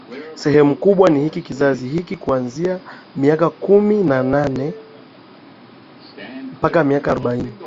sehemu kubwa ni hiki kizazi hiki kuanzia miaka kumi na nane mpaka miaka arobaini